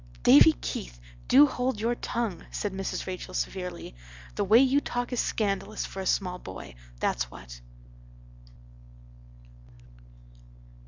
"Davy Keith, do hold your tongue," said Mrs. Rachel severely. "The way you talk is scandalous for a small boy, that's what."